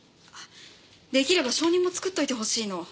出来れば証人も作っといてほしいの。